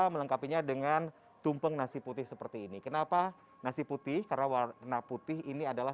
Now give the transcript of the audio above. melengkapinya dengan tumpeng nasi putih seperti ini kenapa nasi putih karena warna putih ini adalah